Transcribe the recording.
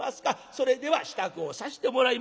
それでは支度をさしてもらいます」。